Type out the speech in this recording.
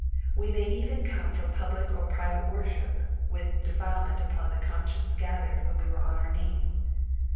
We may even come from public or private worship with defile ment upon the conscience gathered when we were on our knees.